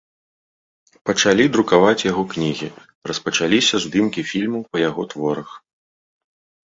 Пачалі друкаваць яго кнігі, распачаліся здымкі фільмаў па яго творах.